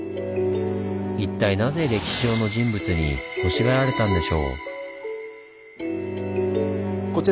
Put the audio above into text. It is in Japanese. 一体なぜ歴史上の人物にほしがられたんでしょう？